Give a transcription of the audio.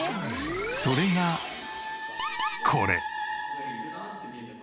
それがこれ！